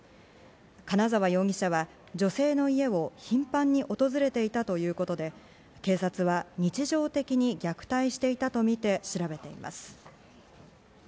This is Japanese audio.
金沢容疑者は女性の家を頻繁に訪れていたということで、警察は日常的に虐待していたとみて調べています。